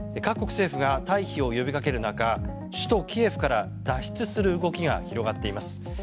各国政府が退避を呼びかける中首都キエフから脱出する動きが広がっています。